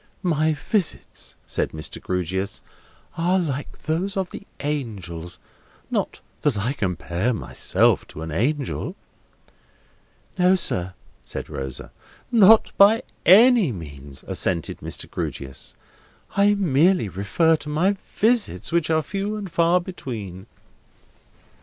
"My visits," said Mr. Grewgious, "are, like those of the angels—not that I compare myself to an angel." "No, sir," said Rosa. "Not by any means," assented Mr. Grewgious. "I merely refer to my visits, which are few and far between.